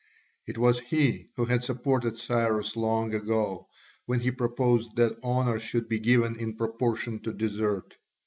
It was he who had supported Cyrus long ago when he proposed that honour should be given in proportion to desert.